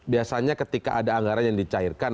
biasanya ketika ada anggaran yang dicairkan